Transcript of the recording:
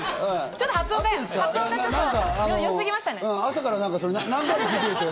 ちょっと発音が良すぎましたね。